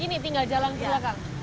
ini tinggal jalan juga kan